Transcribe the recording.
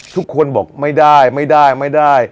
ทุกคนบอกไม่ได้ไม่ได้ไม่ได้